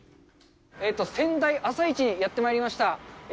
仙台朝市にやってまいりました。